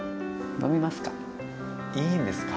飲みますか？